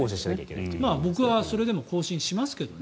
僕はそれでも更新しますけどね。